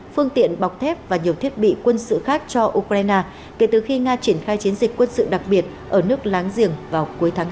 phương tiện bọc thép và nhiều thiết bị quân sự khác cho ukraine kể từ khi nga triển khai chiến dịch quân sự đặc biệt ở nước láng giềng vào cuối tháng tám